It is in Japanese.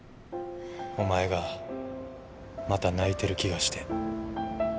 お前がまた泣いてる気がして